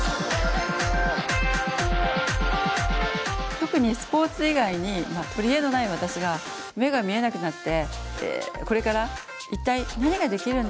特にスポーツ以外に取り柄のない私が目が見えなくなってこれから一体何ができるんだろう。